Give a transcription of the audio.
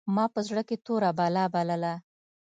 ما په زړه کښې توره بلا بلله.